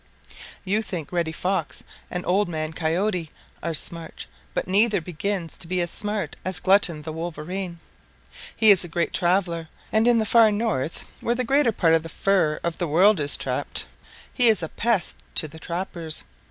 You think Reddy Fox and Old Man Coyote are smart, but neither begins to be as smart as Glutton the Wolverine. He is a great traveler, and in the Far North where the greater part of the fur of the world is trapped, he is a pest to the trappers.